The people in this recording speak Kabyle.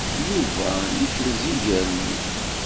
Yuba yekrez iger-nni.